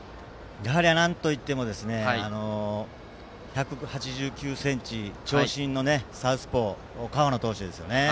なんといっても１８９ｃｍ、長身のサウスポー、河野投手ですね。